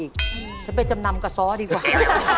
ก็จะรับจำนำกับซ้อดีกว่า